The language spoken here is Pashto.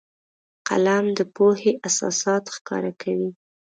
قلم د پوهې اساسات ښکاره کوي